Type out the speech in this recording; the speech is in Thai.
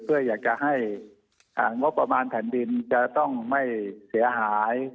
เพื่ออยากจะให้งบประมาณแผ่นดินจะต้องไม่เสียหาย